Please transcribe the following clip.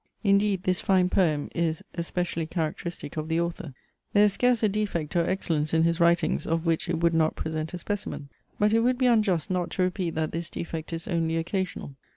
Indeed this fine poem is especially characteristic of the author. There is scarce a defect or excellence in his writings of which it would not present a specimen. But it would be unjust not to repeat that this defect is only occasional.